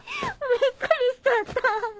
びっくりしちゃった！